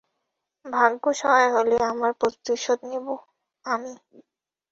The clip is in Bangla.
ভাগ্য সহায় হলে, আমার প্রতিশোধ নেবো আমি।